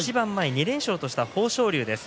２連勝した豊昇龍です。